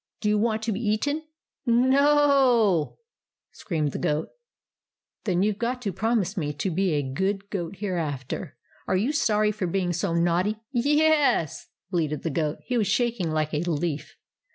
Do you want to be eaten ?"" No o o !" screamed the goat. " Then you Ve got to promise to be a WALTER AND THE GOAT 95 good goat hereafter. Are you sorry for being so naughty ?"" Y e s !" bleated the goat. He was shak ing like a leaf.